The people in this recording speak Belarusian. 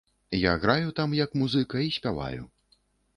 Я граю там як музыка і спяваю.